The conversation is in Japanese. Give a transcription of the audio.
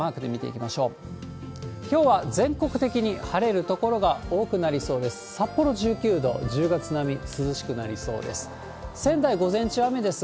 きょうは全国的に晴れる所が多くなりそうです。